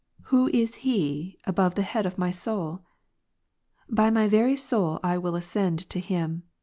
CONF, who is He above the head of my soul ? By my very soul —: i ^ will I ascend to Him.